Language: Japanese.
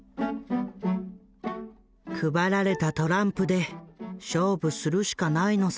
「配られたトランプで勝負するしかないのさ」。